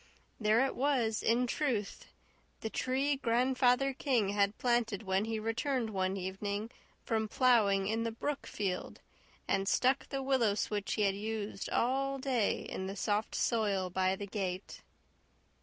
There it was, in truth the tree Grandfather King had planted when he returned one evening from ploughing in the brook field and stuck the willow switch he had used all day in the soft soil by the gate.